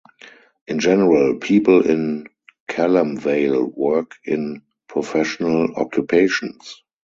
In general, people in Calamvale work in professional occupations.